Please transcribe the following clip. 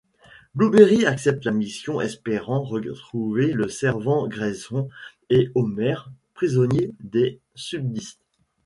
Blueberry accepte la mission, espérant retrouver le sergent Grayson et Homer, prisonniers des sudistes.